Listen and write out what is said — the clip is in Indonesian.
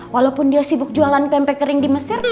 walaupun dia sibuk jualan pempek kering di mesir